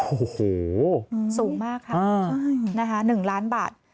โอ้โหสูงมากครับนะคะหนึ่งล้านบาท